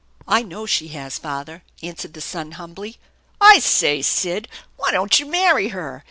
" I know she has, father," answered the son humbly. "I say, Sid, why don't you marry her?